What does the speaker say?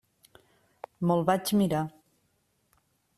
Me'l vaig mirar.